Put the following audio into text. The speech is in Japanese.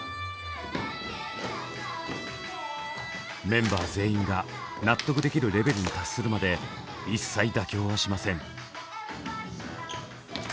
メンバー全員が納得できるレベルに達するまで一切妥協はしません。